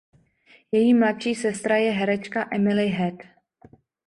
Její mladší sestra je herečka Emily Head.